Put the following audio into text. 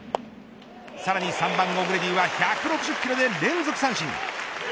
さらに３番オグレディは１６０キロで連続三振。